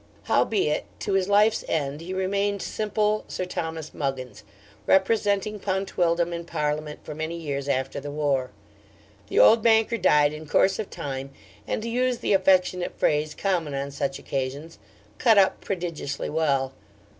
Howbeit, to his life's end he remained simple Sir Thomas Muggins, representing Pontydwdlm in Parliament for many years after the war. The old banker died in course of time, and to use the affectionate phrase common on such occasions, 'cut up' prodigiously well.